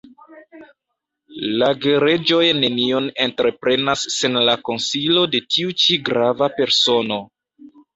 La gereĝoj nenion entreprenas sen la konsilo de tiu ĉi grava persono.